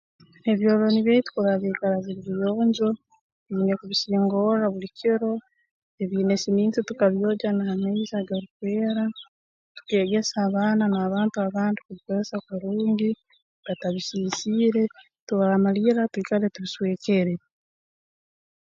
Ebyolooni byaitu kurora byaikara biri biyonjo twine kubisingorra buli kiro ebiine siminti tukabyogya n'amaizi agarukweera tukeegesa abaana n'abantu abandi kubikozesa kurungi batabisiisire turaamalirra twikale tubiswekere